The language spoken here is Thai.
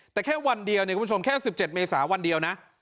แต่แค่วันเดียวเนี่ยคุณผู้ชมแค่๑๗เมษาวันเดียวนะ